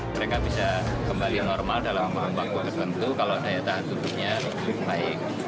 mereka bisa kembali normal dalam waktu tertentu kalau daya tahan tubuhnya baik